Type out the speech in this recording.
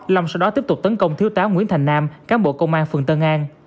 long sau đó tiếp tục tấn công thiếu tá nguyễn thành nam cán bộ công an phường tân an